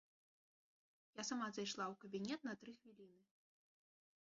Я сама зайшла ў кабінет на тры хвіліны.